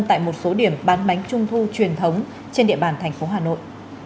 tại một số điểm bán bánh trung thu truyền thống trên địa bàn thành phố hà nội